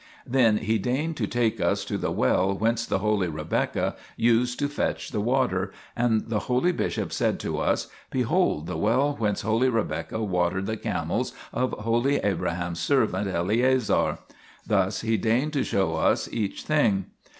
Then he deigned to take us to the well whence holy Rebecca used to fetch water, 3 and the holy bishop said to us :" Behold the well whence holy Rebecca watered the camels of holy Abraham's servant Eleazar "; thus he deigned to show us each thing.